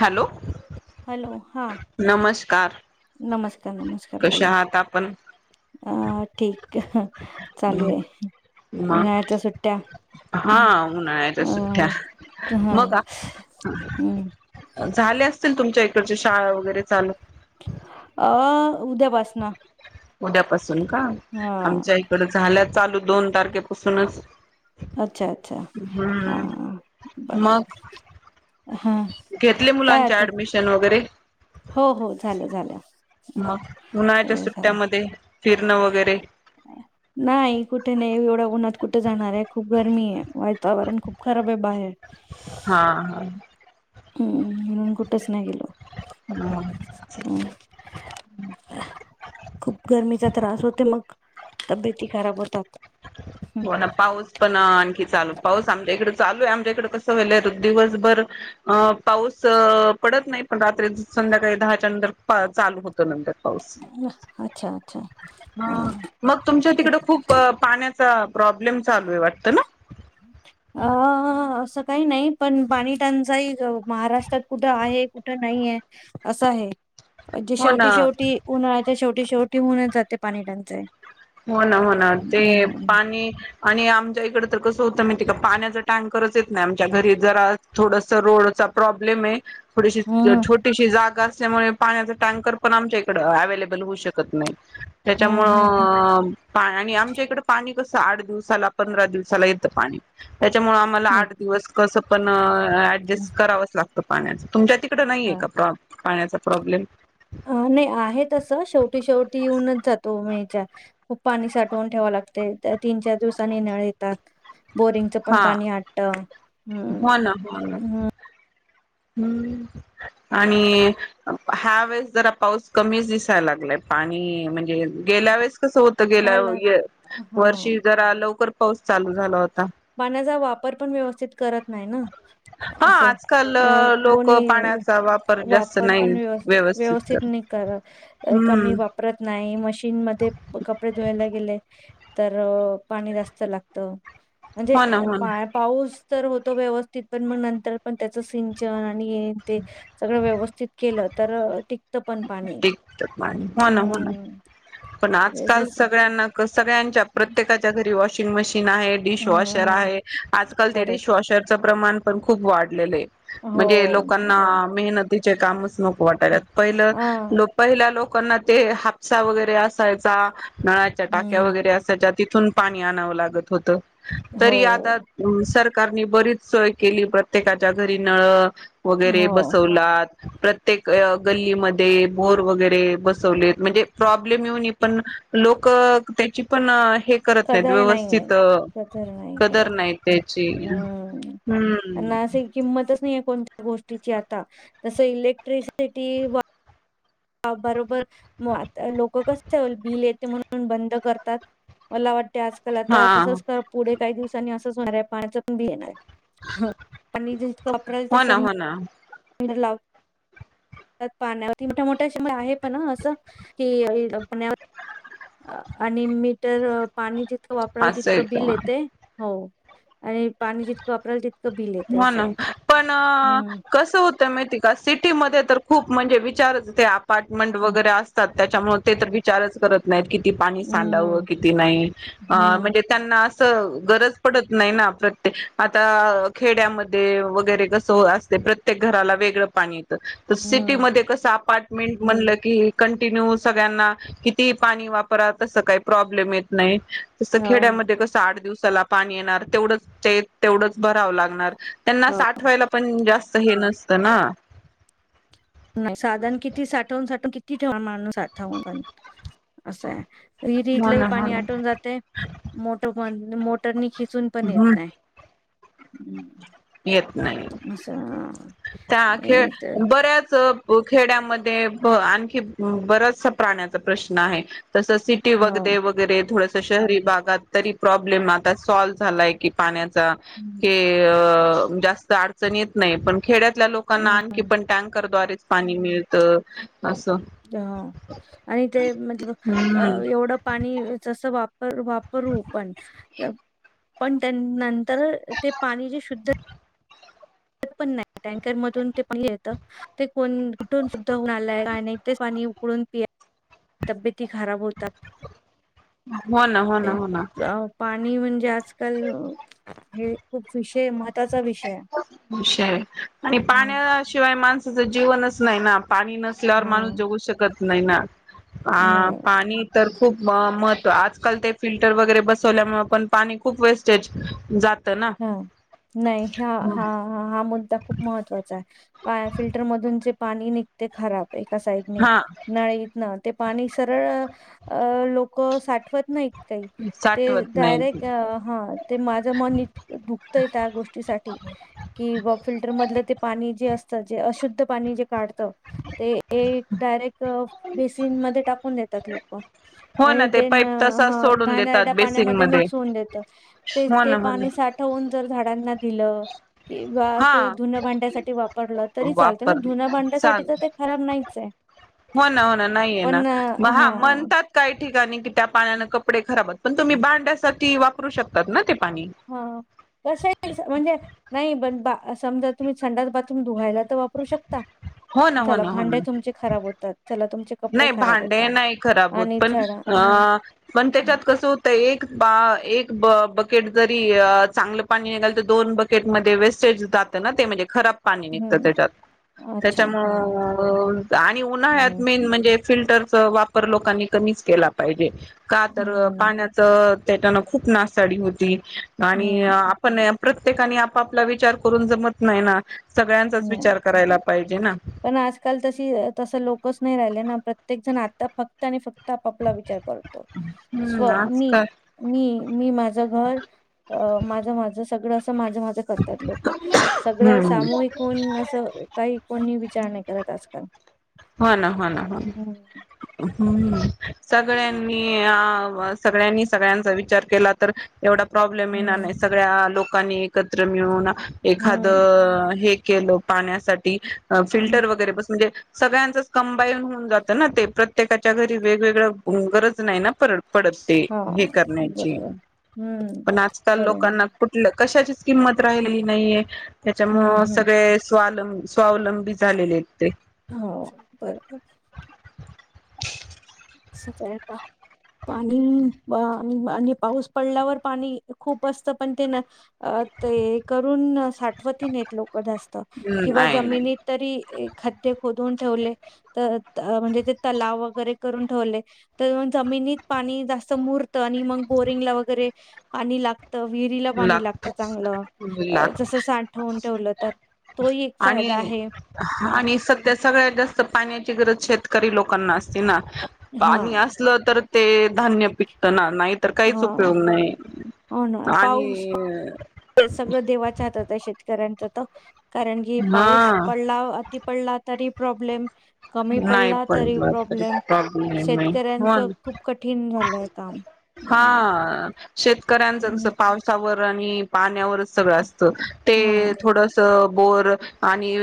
Hello hello... हा... नमस्कार नमस्कार, नमस्कार कशा बोला आहात आपण? अ... ठीक... चालू ए... मग उन्हाळ्याच्या सुट्ट्या हा... उन्हाळ्याच्या सुट्ट्या... अ मग हूं झाल्या असतील... तुमच्या इकडच्या शाळा वगैरे चालू अ... उद्यापासनं उद्यापासून का... आमच्या इकडं झाल्या चालू... दोन तारखेपासूनच अच्छा.. अच्छा... हम्म हां... मग बराबर घेतले... मुलांचे ऍडमिशन वगैरे? हो... हो... झालं झालं हम्म, मग उन्हाळ्याच्या... सगळं झालं सुट्ट्यांमध्ये.... फिरणं वगैरे नाई... कुठे नई... एवढ्या उन्हात कुठे जाणार ए... खूप गरमी ए... वाइतावरण खूप खराब आहे बाहेर हा... हा हम्म... म्हणून... कुठंच नाही गेलो हा हम्म, [inaudible] खूप गरमीचा त्रास होते मग... तब्येती खराब होतात हो ना पाऊस पण आणखी चालू पाऊस आमच्या इकडं चालू आहे आमच्या इकडे कसं व्हालंय दिवसभर अ पाऊस पडत नाही पण रात्री संध्याकाळी दहाच्या नंतर चालू होतो नंतर पाऊस अच्छा अच्छा हा मग तुमच्या तिकड खूप पाण्याचा प्रॉब्लेम चालू आहे वाटतं ना ह अ असं काही नाही पण पाणी टांचाही महाराष्ट्रात कुठं आहे कुठं नाही आहे. असं आहे जे हो शेवटी ना शेवटी उन्हाळायच शेवटी शेवटी हुऊनच जाते पाणी टचाई. हो ना हो ना ते पाणी आणि आमच्या इकडं तर कसं होतं मी तिकं पाण्याचा टँकरच येत नाही आमच्या घरी जरा थोडस रोडचा प्रॉब्लेम आहे थोडीशी हम्म छोटी ती जागा असल्यामुळे पाण्याचा टँकर पण आमच्या इकडं अवलेबल होऊ शकत नाही त्याच्यामुळे हम्म हम्म. आणि आमच्या इकड पाणी कसं आठ दिवसाला पंधरा दिवसाला येतं पाणी त्याच्यामुळे मला हम्म. आठ दिवस कसं पण ऍडजस्ट करावंच लागतं. पाण्याचा तुमच्या तिकडं नाहीये बर. का प्रॉ पाण्याचा प्रॉब्लेम अ नाही आहे तसं शेवटी शेवटी येऊनच जातो मेच्या खूप पाणी साठवून ठेवा लागते त्या तीन चार दिवसाांनी निळ येत बोरिंगच पण हा पाणी अटल हो ना हो ना हम्म आणि ह्या वेळेस जरा पाऊस कमीच दिसायला लागलाय पाणी म्हणजे गेल्या वेळेस कसं होत गेल्या झालं हा. वर्षी जरा लवकर पाऊस चालू झाला होता. पाण्याचा वापर पण व्यवस्थित करत नाही ना हा असं आजकाल अ लोक कोणी पाण्याचा जास्त वापर नाही पण व्यव व्यवस्थित करत निट हम्म कमी वापरत नाही मशीन मध्ये कपडे धुवायला गेले. तर पाणी जास्त लागतं. हो ना म्हणजे हो ना पाऊस तर होतो व्यवस्थित पण मग नंतर पण त्याच सिंचन आणि ते सगळ व्यवस्थित केलं तर ते टिकत पाणी हो ना हो ना अम् पण आजकाल जस सगळ्यांना सगळ्यांच्या प्रत्येकाच्या घरी वॉशिंग मशीन आहे. डिश वॉशर हम्म आहे आजकाल ते करेक्ट डिश वॉशरचे प्रमाण पण खूप वाढलेलं आहे. हो म्हणजे लोकांना बरोबर मेहनतीचे कामच नको वाटायला पहिलं हा लोक पहिल्या लोकांना ते हापसा वगैरे असायचा नळाच्या टाक्या हम्म वगैरे असायच्या तिथून पाणी आणावं लागत होतं हो तरी आता अ सरकारनी बरीच सोय केली प्रत्येकाच्या घरी नळ हो वगैरे बसवलात प्रत्येक गल्लीमध्ये बोर वगैरे बसवलेत म्हणजे प्रॉब्लेम येऊन पण लोक त्याची पण हे‌. करत नाही कदर नाहीये व्यवस्थित कदर नाही कदर करत नाही त्याची हम्म त्यांना हम्म. अशी किंमतच नाही कोणत्या गोष्टीची आता बरोबर आ लोक कसं बिल येते म्हणून बंद करतात. मला वाटतें आज काल हा आता तसंच पुढे काही दिवसांनी असंच होणार आहे पाण्याच पण कमी येणार आहे. आणि जसं कपडेल तसं ह ना [unintelligible] पंधरलाव [unintelligible] पाण्यावरती मोठ्या मोठ्या श आहे पण असं किण्या [unintelligible] आणि मी तर पाणी वापराल असं आहे तितकं बिल का येते हो आणि पाणी जितकं वापराल बिल येते हो असं ना आहे. पण हम्म कसं होत माहिती का सिटीमध्ये तर खूप म्हणजे विचारच ते अपार्टमेंट हम्म वगैरे असतात. त्याच्यामुळे ते तर हम्म. विचारच करत नाहीत, किती पाणी साडाव हम्म किती नाही. अ हम्म म्हणजे त्यांना असं गरज पडत नाही ना प्रत्येक आता खेड्यामध्ये वगैरे कसं असते. प्रत्येक घराला वेगळं पाणी. तर हम्म सिटीमध्ये कस अपार्टमेंट म्हणलं, की कंटिन्यू सगळ्यांना. किती पाणी वापरा, तसं काही प्रॉब्लेम येत नाही. तसं हो. खेड्यामध्ये कसं आठ दिवसाला पाणी येणार तेवढंच तेवढंच भराव. त्यांना हो साठवायला पण जास्त हे नसत ना. नाही साधारण किती साठवून, साठवून किती ठेव माणूस साठवून पण असाय. हो विहिरीतल ना हो पाणी ना आटून जाते. मोटर मोटरनी खिचून पण येत हम्म नाही. हम्म, येत नाही, असं त्या खेळ आणि ते बऱ्याच. खेड्यामध्ये आणखी बराचसा पाण्याचा प्रश्न आहे तस की, हो. वगैरे वगैरे, थोडस शहरी भागात तरी प्रॉब्लेम आता सॉल्व झालाय की पाण्याचा. की, हम्म अ जास्त अडचणी येत नाही. पण खेड्यातल्या लोकांना आणखी हम्म. पण टँकरद्वारे पाणी मिळत असं. [unintelligible] हम्म पाणी जसं वापरू वापरू, पण पण, त्यांना तर ते पाणी जे शुद्ध पण नाही, टँकर मधून ते पाणी येत. ते कोण कुठून शुद्ध होऊन आलंय काय नाही ते पाणी उकडून पी तब्येती खराब होतात. हो ना हो, ना हो ना आज पाणी म्हणजे आजकाल हे खूप विषय ‌ [unintelligible] शिवाय माणसाचं जीवनच नाही. ना पाणी नसल्यावर हा माणूस जगू शकत नाही ना. हा, नाही पाणी तर खूप महत्व आजकाल ते फिल्टर वगैरे बसवल्यामुळे पण पाणी खूप वेस्ट जात ना. हो, नाही ह्या हा, हा हा, मुद्दा खूप महत्त्वाचा आहे. पा फिल्टर मधून जे पाणी निघते खराब. एका साईडने हा नळीत न ते पाणी सरळ अ लोक साठवत नाहीत. काही ते साठवत नाही. डायरेक्ट हा, ते माझ मन इतकं दुखतंय त्या गोष्टीसाठी कि फिल्टर मधलं ते पाणी जे असतं जे अशुद्ध पाणी जे काढतं ते, एक डायरेक्ट बेसीन मध्ये टाकून देतात लोक. हो ना आणि ते पाईप तसाच सोडून देतात घाणेरड्या बेसिंग पाण्यामध्ये मध्ये मिक्स होऊन देत ते हो ते, ना हो ना पाणी साठ ठेवून जर झाडांना दिल. किंवा ते हा धुणं भांड्यासाठी वापरल तरी चालत, ना वापर धुणं भांड्यासाठी चाल तर ते खराब नाहीच आहे. हो ना, हो ना, नाहीय ना हा म्हणतात. काही ठिकाणी की, त्या पाण्यान कपडे खराबात पण तुम्ही भांड्यासाठी वापरू शकतात ना ते पाणी. हा कस म्हणजे नाही, पण बा समजा तुम्ही संडास बाथरूम धुवायला. तो वापरू शकता हो ना हो चला ना हो भांडी ना तुमची खराब होतात. चला तुमची नाही भांडे नाही खराब होत पण झाडा हम्म अ पण हम्म त्याच्यात कसं होत. तर एक बा, एक ब बकेट जरी चांगलं पाणी निघाल तर दोन बकेट [unintelligible] पाणी निघत हम्म त्याच्यात अच्छा हा त्याच्यामुळ आणि उन्हाळ्यात. हम्म म्हणजे फिल्टरचा वापर लोकांनी कमीच केला पाहिजे. का तर हम्म पाण्याच त्याच्यान खूप नासाडी होती आणि हम्म आपण प्रत्येकानी आपापला विचार करून जमत नाही ना, सगळ्यांचाच नाही विचार करायला पाहिजे ना, पण आजकाल तशी तस लोकच नाय राहिले ना प्रत्येक जण आता फक् फक्त आणि फक्त आपापला विचार करतो हम्म स्व मी आजकाल मी मी माझ झ घर अ माझ माझ सगळ अस माझ माझ करतात लोक सगळ हम्म सामूहिक कोण अस काही कोणी विचार नाही करत आजकाल. हा ना हो ना हो ना. हम्म हम् सगळ्यांनी आं सगळ्यांनी सगळ्यांचा विचार केला तर एवढ प्रॉब्लेम येणार हम्म नाय सगळ्या लोकांनी एकत्र मिळून एखाद हम्म हे केल पाण्यासाठी हम्म. फिल्टर वगैरे बस म्हणजे सगळ्यांचच कंबाईन होऊन जात ना ते प्रत्येकाच्या घरी वेगवेगळ ऊ गरज नाय ना पर पडत. ते हा हे करण्याची, बरोबर. हम्म पण आजकाल खरं आहे लोकांना कुठल कशाचीच किंमत राहिलेली नाहीये हम्म त्याच्यामुळ हम्म सगळे स्वालं स्वावलंबी झालेलेत ते. हो बरोबर असच आहे आता. पाणी अ आणि पाऊस पडल्यावर पाणी खूप असत पण ते न अ ते करून साठवतही नाहीत लोक जास्त हम्म किंवा आहे नाही जमिनीत तरी खाद्य खोदुन ठेवले त त म्हणजे ते तलाव वगैरे करून ठेवले त जमिनीत पाणी जास्त मुरत आणि मंग बोरिंगला वगैरे पाणी लागत विहिरीला पाणी लागत लागतच चांगल. अ लाग जस साठवून ठेवल तर तोही एक फायदा आहे. त्यात सगळ्यात जास्त पाण्याची गरज शेतकरी लोकांना असते ना हा पाणी अस असलं तर ते धान्य पिकत ना नाही तर काहीच हा उपयोग नाही. आणि अ ते सगळ देवाच्या हातात आहे शेतकऱ्यांच त कारण की पाऊस हा पडला अति पडला तरी प्रॉब्लेम. कमी नाही पडला तरी पडलं तरी प्रॉब्लेम प्रॉब्लेम आहे शेतकऱ्यांच हो खूप कठीण झालय काम. हम्म हा. शेतकऱ्यांच जस हम्म. पावसावर आणि पाण्यावरच सगळ असत हा ते थोड त बोर आणि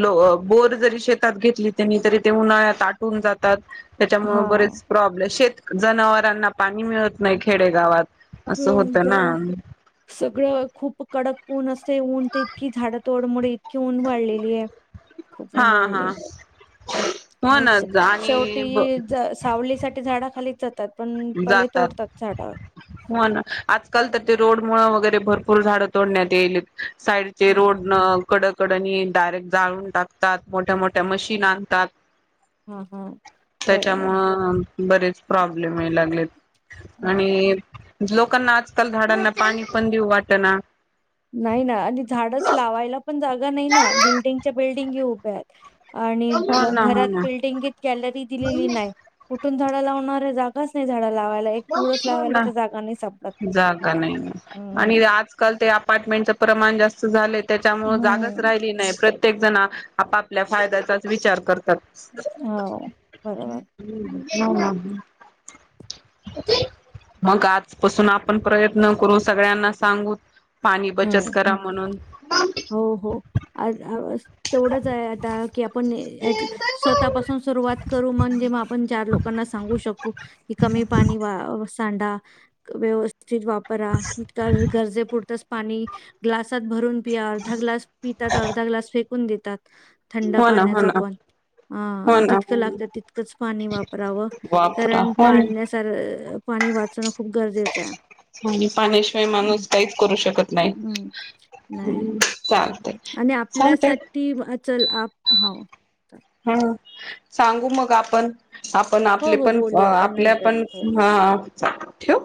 लो अ बोर जरी शेतात घेतलीत त्यांनी तरी ते उन्हाळ्यात आटून जातात त्याच्यामुळ हा बरेचं प्रॉब्ले शेत जनावरांना पाणी मिळत नाही खेडेगावात. असं व्हय होतं ना जाय सगळ खूप कडक ऊन अस ऊन तर इतकी झाड तोडमुळ इतकी ऊन वाढलेली ये. खूप हा उन हा वाढले हो ना श शेवटी आणि जस सावली साठी झाडा खालीच जातात पण पहिले जातात तोडतात झाड. हो ना, आजकाल तर ते रोड मुळ वगैरे भरपूर झाड तोडण्यात येईल साईड ते रोड नं कडकडनी डायरेक्ट जाळून टाकतात मोठ्या मोठ्या मशीन आणतात. हा हा बरोबर त्याच्यामुळं बरेच प्रॉब्लेम येय लागलेत हा. आणि लोकांना आजकाल झाडांना पाणी पण देऊ वाटना. नाही ना आणि झाडच लावायला पण जागा नाही ना बिल्डिंगच्या बिल्डिंगी उभ्या आहेत. आणि हो ना हो घरात ना बिल्डिंगित गॅलरी दिलेली नाय. कुठून झाड लावणारे जागाच नाय झाडं लावायला. एक तुळस लावायला तर जागा नाही सापडत. जागा नाही ना, आणि हम्म. आज काल ते अपार्टमेंटच प्रमाण जास्त झालं, त्याच्यामुळ जागाच हम्म. राहिली नाय, प्रत्येक जण आपापल्या फायद्याचाच विचार करतात. हो बरोबर. हं हं लावला म्हणून मग आजपसून आपण प्रयत्न करू, सगळ्यांना सांगू पाणी हं. बचत करा म्हणून. हो हो. आज आवाज, तेवढंच आहे आता की आपण अॅट लीस्ट स्वतःपासून सुरुवात करू, म्हणजे मग आपण चार लोकांना सांगू शकू. कि कमी पाणी वाऽ सांडा. व्यवस्थित वापरा, गरजे पुरतचऽ ग्लासात भरून प्या, अर्धा ग्लास पितात अर्धा ग्लास फेकून देतात. थंडा हो ना हो पाण्याचा ना पण. हो अऽ ना जितकं हो ना लागतं तितकंच पाणी वापरावं, वापरा कारण हो ना पाण्याऽ तररऽ पाणी वाचवन खूप गरजेचं आहे आणि पाण्याशिवाय हम्म, माणूस काहीच करू शकत नाही. हम्म. नाही. नाही हम्, चालतय. आणि चालतय आपल्यासाठी चल आप हं. हम्, सांगू मग आपण. आपण हो, आपले हो. पण, बोलू आपण आपल्या नंतर. पण, हो. हा ठेवू